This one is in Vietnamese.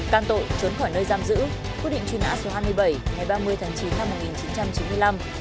can tội trốn khỏi nơi giam giữ quyết định truy nã số hai mươi bảy ngày ba mươi tháng chín năm một nghìn chín trăm chín mươi năm